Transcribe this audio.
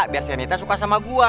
biar si ernita suka sama gua